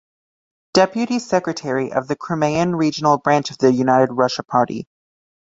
Deputy Secretary of the Crimean regional branch of the United Russia party.